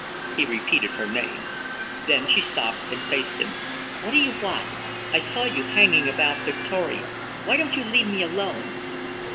He repeated her name. Then she stopped and faced him. "What d'you want? I saw you hanging about Victoria. Why don't you leave me alone?"